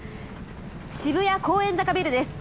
渋谷公園坂ビルです。